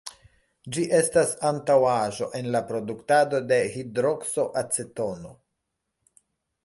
Ĝi estas antaŭaĵo en la produktado de "hidrokso-acetono".